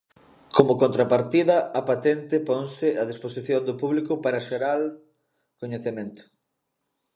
Como contrapartida, a patente ponse a disposición do público para xeral coñecemento.